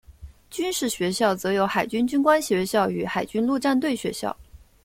军事学校则有海军军官学校与海军陆战队学校。